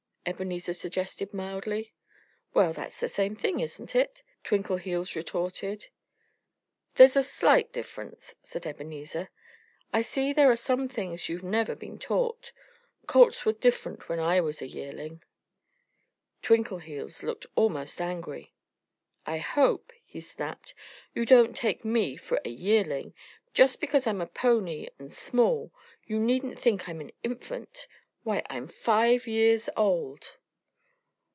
Ebenezer suggested mildly. "Well, it's the same thing, isn't it?" Twinkleheels retorted. "There's a slight difference," said Ebenezer. "I see there are some things you've never been taught. Colts were different when I was a yearling." Twinkleheels looked almost angry. "I hope," he snapped, "you don't take me for a yearling. Just because I'm a pony and small you needn't think I'm an infant. Why, I'm five years old!"